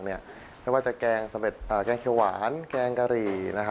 ไม่ว่าจะแกงสำเร็จแกงเครียดหวานแกงกะหรี่